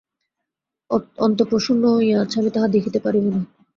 অন্তঃপুর শূন্য হইয়া আছে, আমি তাহা দেখিতে পারিব না।